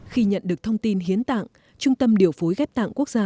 khi nhận được thông tin hiến tạng trung tâm điều phối ghép tạng quốc gia